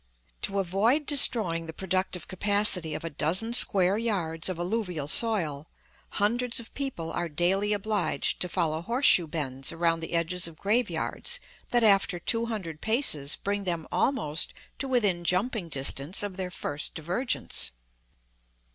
To avoid destroying the productive capacity of a dozen square yards of alluvial soil, hundreds of people are daily obliged to follow horseshoe bends around the edges of graveyards that after two hundred paces bring them almost to within jumping distance of their first divergence.